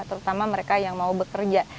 terutama mereka yang mau bekerja